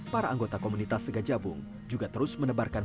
para anggota komunitas segajabung juga terus menebarkan